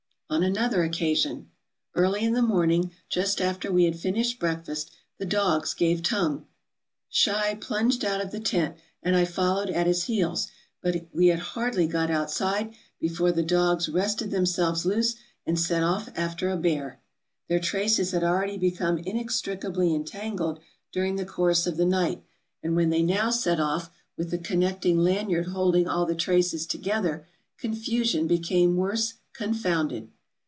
On another occasion: "Early in the morning, just after we had finished break fast, the dogs gave tongue. Schei plunged out of the tent, and I followed at his heels, but we had hardly got outside before the dogs wrested themselves loose and set off after a bear. Their traces had already become inextricably entangled during the course of the night, and when they now set off, with the connect ing lanyard holding all the traces together, confusion became worse confounded.